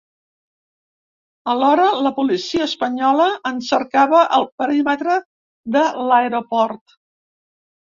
Alhora la policia espanyola en cercava al perímetre de l’aeroport.